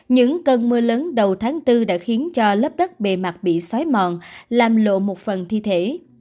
những cơn mưa lớn đầu tháng bốn đã khiến cho lớp đất bề mặt bị xói mòn làm lộ một phần thi thể